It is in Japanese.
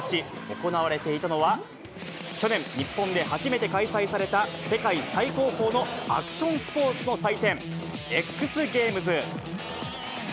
行われていたのは、去年、日本で初めて開催された世界最高峰のアクションスポーツの祭典、Ｘゲームズ。